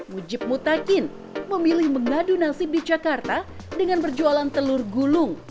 mujib mutakin memilih mengadu nasib di jakarta dengan berjualan telur gulung